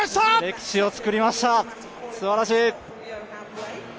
歴史を作りましたすばらしい。